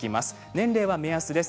年齢は目安です